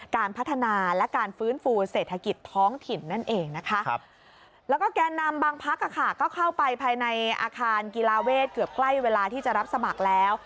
เกือบใกล้เวลาที่จะรับสมัครแล้ว